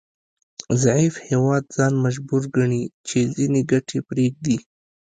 ضعیف هیواد ځان مجبور ګڼي چې ځینې ګټې پریږدي